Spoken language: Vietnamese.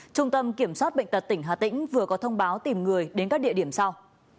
trung tâm kiểm soát bệnh tật tỉnh hà tĩnh vừa có thông báo tìm người đến các địa điểm sau